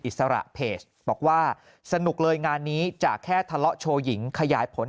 อิสระเพจบอกว่าสนุกเลยงานนี้จะแค่ทะเลาะโชว์หญิงขยายผล